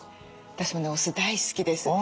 私もねお酢大好きです。